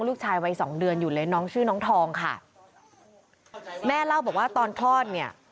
ลูกชายวัยสองเดือนอยู่เลยน้องชื่อน้องทองค่ะแม่เล่าบอกว่าตอนคลอดเนี่ย